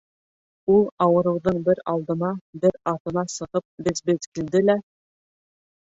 Ул ауырыуҙың бер алдына, бер артына сығып без-без килде лә: